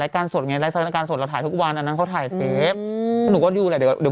รายสดสดที่ถ่ายทุกวันนั้นเขาถ่ายเจ็บ